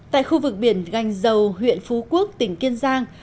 tại khu vực biển gành dầu huyện phú quốc tỉnh kiên giang